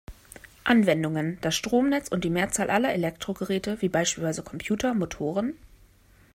Anwendungen: Das Stromnetz und die Mehrzahl aller Elektrogeräte wie beispielsweise Computer, Motoren.